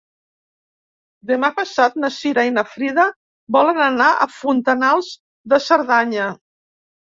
Demà passat na Cira i na Frida volen anar a Fontanals de Cerdanya.